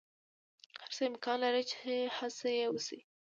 هر څه امکان لری چی هڅه یی وشی